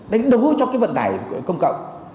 đánh đố cho cái vận tải công cộng